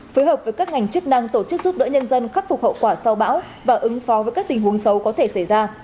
phối hợp với các ngành chức năng tổ chức giúp đỡ nhân dân khắc phục hậu quả sau bão và ứng phó với các tình huống xấu có thể xảy ra